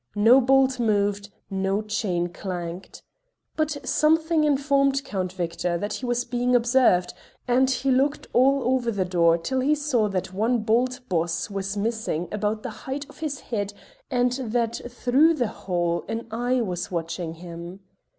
No bolt moved, no chain clanked. But something informed the Count Victor that he was being observed, and he looked all over the door till he saw that one bolt boss was missing about the height of his head and that through the hole an eye was watching him.